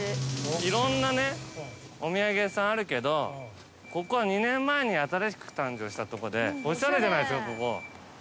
いろんなお土産屋さんあるけどここは２年前に新しく誕生したとこでおしゃれじゃないですかここ。